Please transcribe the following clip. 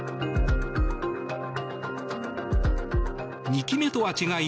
２機目とは違い